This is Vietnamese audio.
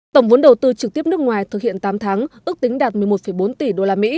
tổng vốn đầu tư trực tiếp nước ngoài thực hiện tám tháng ước tính đạt một mươi một bốn tỷ usd